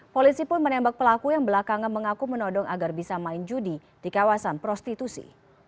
polisi pun menembak pelaku yang belakangan mengaku menodong agar bisa main judi di kawasan prostitusi